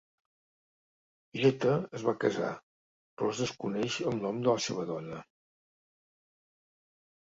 Geta es va casar, però es desconeix el nom de la seva dona.